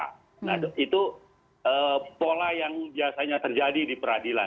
nah itu pola yang biasanya terjadi di peradilan